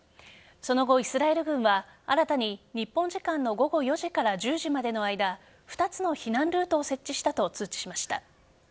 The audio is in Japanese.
その後、イスラエル軍が新たに日本時間の午後４時から１０時までの間２つの避難ルートを設置したと通知しました。